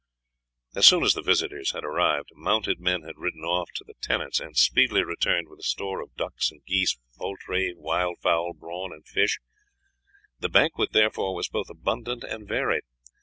As soon as the visitors had arrived, mounted men had ridden off to the tenants, and speedily returned with a store of ducks and geese, poultry, wild fowl, brawn, and fish; the banquet therefore was both abundant and varied.